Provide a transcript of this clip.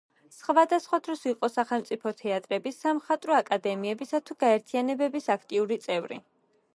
სხვადასხვა დროს იყო სახელმწიფო თეატრების, სამხატვრო აკადემიებისა თუ გაერთიანებების აქტიური წევრი.